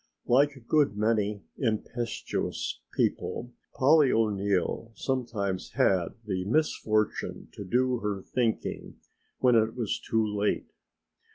Like a good many impetuous people Polly O'Neill sometimes had the misfortune to do her thinking when it was too late.